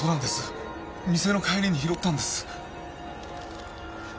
店の帰りに拾ったんです。